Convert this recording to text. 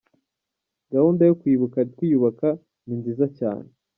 Gahunda yo kwibuka twiyubaka ni nziza cyane.